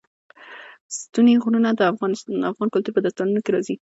ستوني غرونه د افغان کلتور په داستانونو کې راځي.